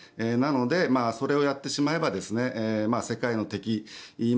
なので、それをやってしまえば世界の敵